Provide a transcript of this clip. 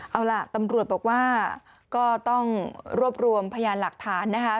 เอาล่ะตำรวจบอกว่าก็ต้องรวบรวมพยานหลักฐานนะคะ